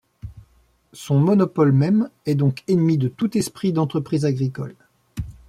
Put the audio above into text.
Son monopole même est donc ennemi de tout esprit d’entreprise agricole.